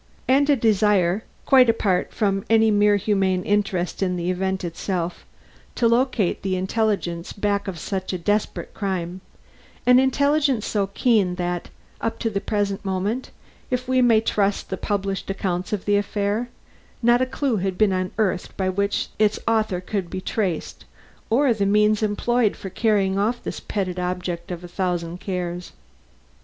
and a desire, quite apart from any mere humane interest in the event itself, to locate the intelligence back of such a desperate crime: an intelligence so keen that, up to the present moment, if we may trust the published accounts of the affair, not a clue had been unearthed by which its author could be traced, or the means employed for carrying off this petted object of a thousand cares.